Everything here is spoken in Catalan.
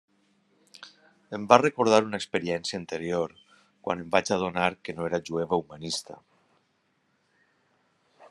Em va recordar una experiència anterior, quan em vaig adonar que no era jueva humanista.